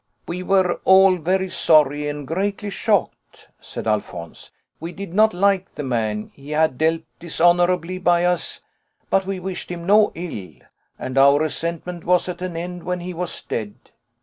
"We were all very sorry and greatly shocked," said Alphonse; "we did not like the man, he had dealt dishonourably by us, but we wished him no ill, and our resentment was at an end when he was dead.